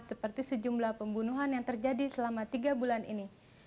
seperti sejumlah pembunuhan yang terjadi selama tiga bulan ini